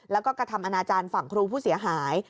แล้วก็กระทำอนาจารย์ฝั่งครูผู้เสียหาย